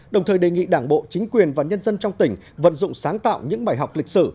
đồng thời đề nghị đảng bộ chính quyền và nhân dân trong tỉnh vận dụng sáng tạo những bài học lịch sử